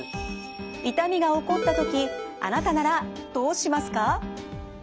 痛みが起こった時あなたならどうしますか？